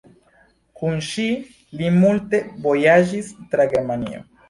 Kun ŝi li multe vojaĝis tra Germanio.